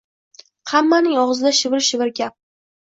Hammaning og`zida shivir-shivir gap